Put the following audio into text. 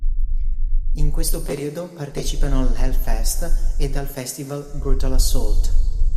In questo periodo partecipano all'Hellfest ed al festival Brutal Assault.